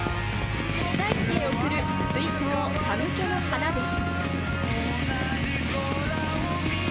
被災地へ送る、追悼、たむけの花です。